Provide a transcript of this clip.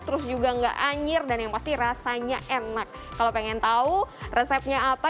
terus juga enggak anjir dan yang pasti rasanya enak kalau pengen tahu resepnya apa